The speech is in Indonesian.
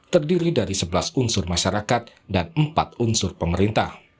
terdiri dari sebelas unsur masyarakat dan empat unsur pemerintah